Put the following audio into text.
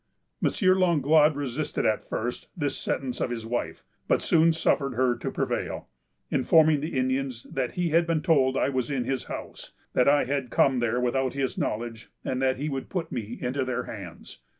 M. Langlade resisted, at first, this sentence of his wife, but soon suffered her to prevail, informing the Indians that he had been told I was in his house; that I had come there without his knowledge, and that he would put me into their hands.